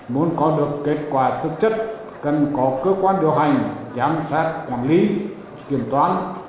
muốn có được kết quả thực chất cần có cơ quan điều hành giám sát quản lý kiểm toán